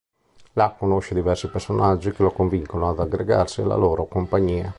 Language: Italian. Là conosce diversi personaggi che lo convincono ad aggregarsi alla loro compagnia.